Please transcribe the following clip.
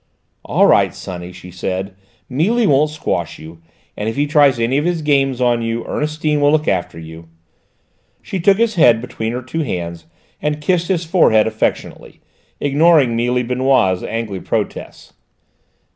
"All right, sonny," she said, "Mealy won't squash you; and if he tries any of his games on you, Ernestine will look after you." She took his head between her two hands and kissed his forehead affectionately, ignoring Mealy Benoît's angry protests.